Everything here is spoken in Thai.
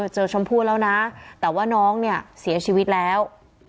เจอชมพู่แล้วนะแต่ว่าน้องเสียชีวิตแล้ว